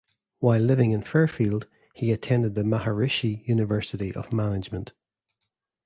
While living in Fairfield, he attended the Maharishi University of Management.